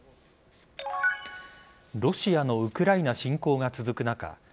ロシアのウクライナ侵攻が続く中